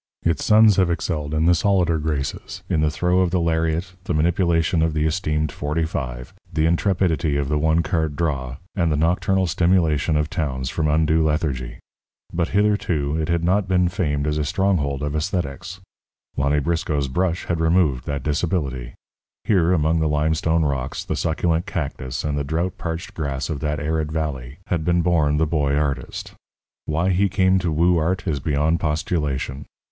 Its sons have excelled in the solider graces, in the throw of the lariat, the manipulation of the esteemed .45, the intrepidity of the one card draw, and the nocturnal stimulation of towns from undue lethargy; but, hitherto, it had not been famed as a stronghold of æsthetics. Lonny Briscoe's brush had removed that disability. Here, among the limestone rocks, the succulent cactus, and the drought parched grass of that arid valley, had been born the Boy Artist. Why he came to woo art is beyond postulation.